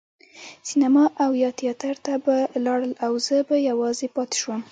سینما او یا تیاتر ته به لاړل او زه به یوازې پاتې شوم.